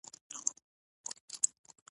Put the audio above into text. غوږونه له مینې سره وده کوي